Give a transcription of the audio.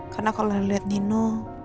karena kalau liat nino